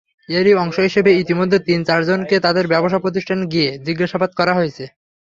এরই অংশ হিসেবে ইতিমধ্যে তিন-চারজনকে তাঁদের ব্যবসাপ্রতিষ্ঠানে গিয়ে জিজ্ঞাসাবাদ করা হয়েছে।